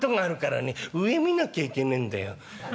上見なきゃいけねえんだよ。